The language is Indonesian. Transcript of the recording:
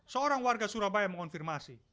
seorang warga surabaya mengonfirmasi